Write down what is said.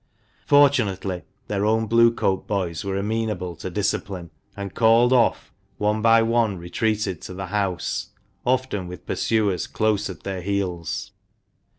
Fortunately, their own Blue coat boys were amenable to discipline, and, called off, one by one retreated to the house, often with pursuers close at their heels.